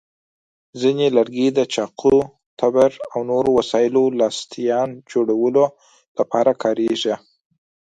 ځینې لرګي د چاقو، تبر، او نورو وسایلو لاستیان جوړولو لپاره کارېږي.